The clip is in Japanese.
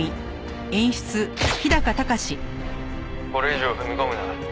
これ以上踏み込むな。